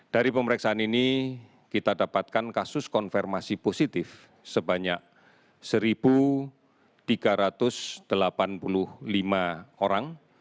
dari pemeriksaan ini kita dapatkan kasus konfirmasi positif sebanyak satu tiga ratus delapan puluh lima orang